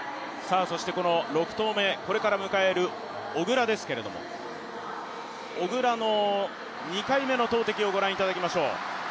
６投目、これから迎える小椋ですけど、小椋の２回目の投てきをご覧いただきましょう。